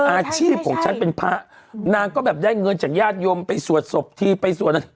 อาชีพของฉันเป็นพระนางก็แบบได้เงินจากญาติโยมไปสวดศพทีไปสวดอะไร